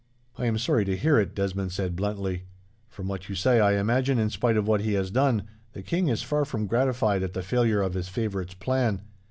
'" "I am sorry to hear it," Desmond said, bluntly. "From what you say I imagine that, in spite of what he has done, the king is far from gratified at the failure of his favourite's plan.